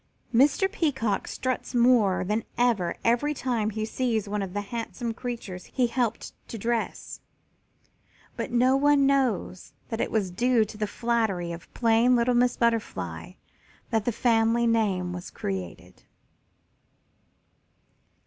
Mr. Peacock struts more than ever every time he sees one of the handsome creatures he helped to dress, but no one knows that it was due to the flattery of plain little Miss Butterfly that the family name was created.